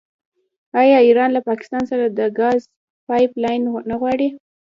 آیا ایران له پاکستان سره د ګاز پایپ لاین نه غواړي؟